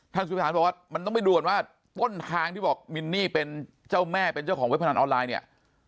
สุภานบอกว่ามันต้องไปดูก่อนว่าต้นทางที่บอกมินนี่เป็นเจ้าแม่เป็นเจ้าของเว็บพนันออนไลน์เนี่ย